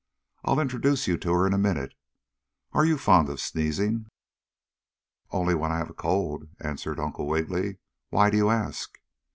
"I'll introduce you to her in a minute. Are you fond of sneezing?" "Only when I have a cold," answered Uncle Wiggily. "Why do you ask?"